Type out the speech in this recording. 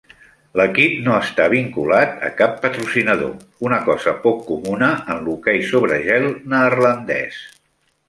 L'equip no està vinculat a cap patrocinador, una cosa poc comuna en l'hoquei sobre gel neerlandès.